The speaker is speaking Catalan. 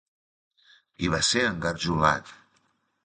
Qui va ser engarjolat?